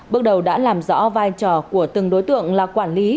bước đầu đã làm rõ vai trò của từng đối tượng là quản lý